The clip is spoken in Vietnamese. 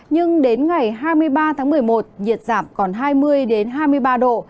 nhưng đến ngày hai mươi ba tháng một mươi một nhiệt giảm còn hai mươi hai mươi ba độ